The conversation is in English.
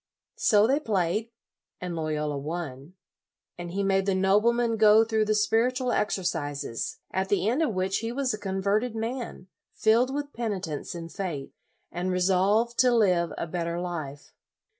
1 So they played, and Loyola won. And he made the nobleman go through the Spiritual Exercises, at the end of which he was a converted man, filled with peni tence and faith, and resolved to live a better life.